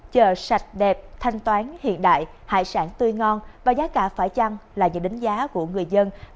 chờ sạch đẹp thanh toán hiện đại hải sản tươi ngon và giá cả phải chăng là những đánh giá của người dân